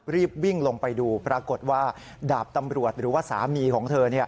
รีบวิ่งลงไปดูปรากฏว่าดาบตำรวจหรือว่าสามีของเธอ